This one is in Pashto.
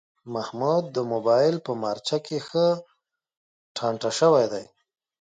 محمود د مبایل په مارچه کې ښه ټانټه شوی دی.